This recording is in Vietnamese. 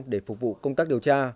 để phục vụ công tác điều tra